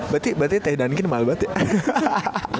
berarti teh dunkin mahal banget ya